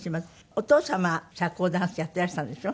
お父様社交ダンスやっていらしたんでしょ？